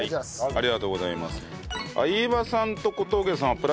ありがとうございます。